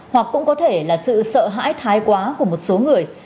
hoặc cũng có thể là sự sợ hãi thái quá của một số người